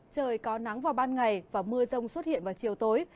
trời có nắng vào ban ngày và mưa rông xuất hiện vào chiều tối